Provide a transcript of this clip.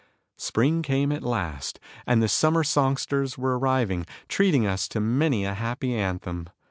Spring came at last, and the summer songsters were arriving, treating us to many a happy anthem.